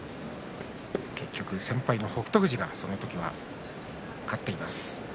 結局、先輩の北勝富士がその時は勝っています。